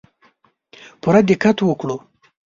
پوره دقت وکړو.